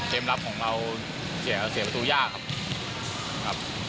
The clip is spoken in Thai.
เกมลับของเราเสียประตูยากครับ